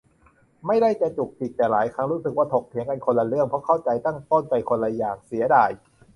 ไม่ได้จะจุกจิก แต่หลายครั้งรู้สึกว่าถกเถียงกันคนละเรื่อง เพราะเข้าใจตั้งต้นไปคนละอย่าง เสียดาย